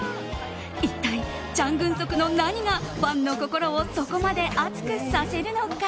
一体チャン・グンソクの何がファンの心をそこまで熱くさせるのか。